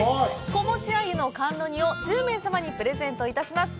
子持ちアユの甘露煮を１０名様にプレゼントいたします。